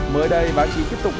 mới đây báo chí tiếp tục cảnh sát